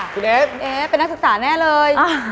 คุณเอฟเอฟเป็นนักศึกษาแน่เลย